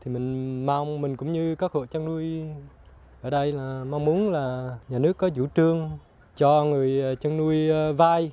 mình mong cũng như các hộ chăn nuôi ở đây mong muốn nhà nước có vũ trương cho người chăn nuôi vai